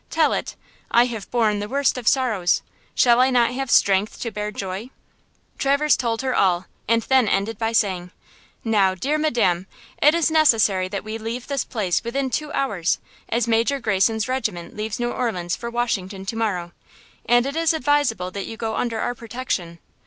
Tell it! I have borne the worst of sorrows! Shall I not have strength to bear joy?" Traverse told her all, and then ended by saying: "Now, dear madame, it is necessary that we leave this place within two hours, as Major Greyson's regiment leaves New Orleans for Washington to morrow, and it is advisable that you go under our protection.